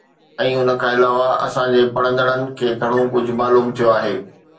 ۽ ان کان علاوه، اسان جي پڙهندڙن کي گهڻو ڪجهه معلوم ٿيو آهي.